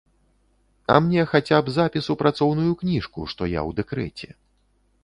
А мне хаця б запіс у працоўную кніжку, што я ў дэкрэце.